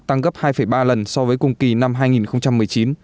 tăng gấp hai ba lần so với cùng kỳ năm hai nghìn một mươi chín